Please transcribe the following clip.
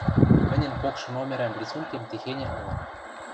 Мӹньӹн кокшы номерӓн рисункем техеньӹ ылын: